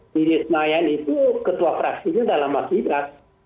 di desnayan itu ketua fraksinya dalam mas ibas